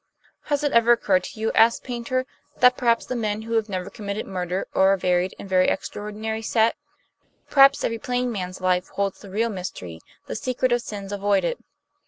"Has it ever occurred to you," asked Paynter, "that perhaps the men who have never committed murder are a varied and very extraordinary set? Perhaps every plain man's life holds the real mystery, the secret of sins avoided."